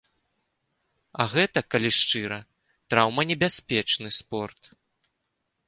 А гэта, калі шчыра, траўманебяспечны спорт.